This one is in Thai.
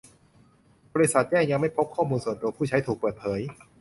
บริษัทแจ้งยังไม่พบข้อมูลส่วนตัวผู้ใช้ถูกเปิดเผย